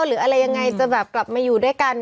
หรืออะไรยังไงจะแบบกลับมาอยู่ด้วยกัน